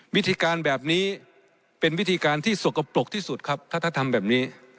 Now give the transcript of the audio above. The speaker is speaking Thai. วิธีการแบบนี้เป็นวิธีการที่สกปรกที่สุดครับถ้าทำแบบนี้